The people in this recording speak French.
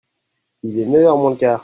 Il est neuf heures moins le quart.